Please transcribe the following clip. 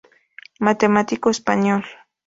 Matemático español.